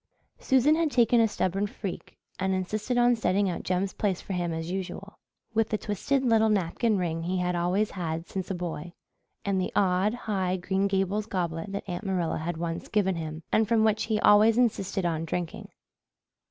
Susan had taken a stubborn freak and insisted on setting out Jem's place for him as usual, with the twisted little napkin ring he had always had since a boy, and the odd, high Green Gables goblet that Aunt Marilla had once given him and from which he always insisted on drinking.